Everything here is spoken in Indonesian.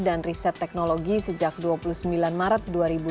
dan riset teknologi sejak dua puluh sembilan maret dua ribu tujuh belas